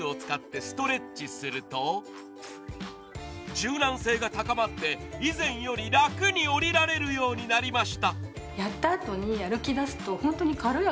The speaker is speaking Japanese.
柔軟性が高まって以前より楽に降りられるようになりました。